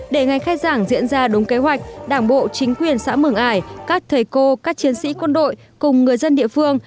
để ngày khai giảng diễn ra đúng kế hoạch đảng bộ chính quyền xã mường ải các thầy cô các chiến sĩ quân đội cùng người dân địa phương